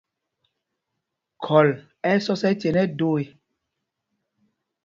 Khɔl ɛ́ ɛ́ sɔs ɛcen ɛ do ê.